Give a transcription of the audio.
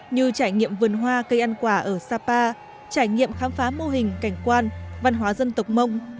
như trải nghiệm vườn hoa cây ăn quả ở sapa trải nghiệm khám phá mô hình cảnh quan văn hóa dân tộc mông